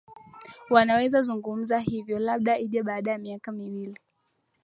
wanaweza zungumza hivyo labda ije baada ya miaka miwili